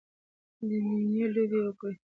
د میینې لوبې وکړې